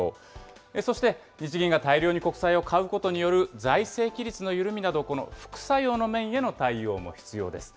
そして、日銀が大量に国債を買うことによる財政規律の緩みなど、この副作用の面への対応も必要です。